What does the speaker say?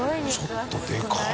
ちょっとでかい！